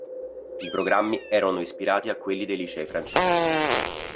I programmi erano ispirati a quelli dei licei francesi.